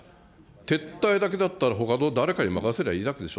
撤退だけだったらほかの誰かに任せればいいわけでしょ。